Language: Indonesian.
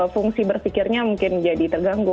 fungsi berpikirnya mungkin jadi terganggu